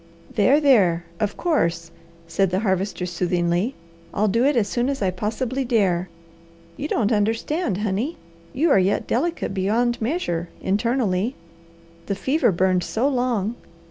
"There, there! Of course!" said the Harvester soothingly. "I'll do it as soon as I possibly dare. You don't understand, honey. You are yet delicate beyond measure, internally. The fever burned so long.